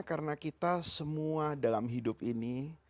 karena kita semua dalam hidup ini